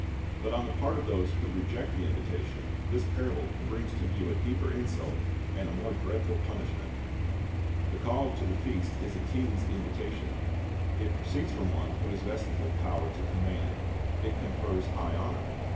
But on the part of those who reject the invitation, this parable brings to view a deeper insult and a more dreadful punishment. The call to the feast is a king's invitation. It proceeds from one who is vested with power to command. It confers high honor.